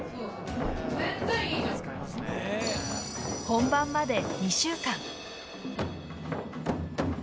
本番まで２週間。